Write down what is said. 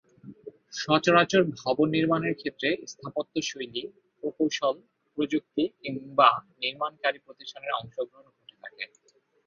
সচরাচর ভবন নির্মাণের ক্ষেত্রে স্থাপত্যশৈলী, প্রকৌশল, প্রযুক্তি কিংবা নির্মাণকারী প্রতিষ্ঠানের অংশগ্রহণ ঘটে থাকে।